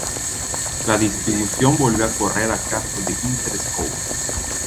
La distribución volvió a correr a cargo de Interscope.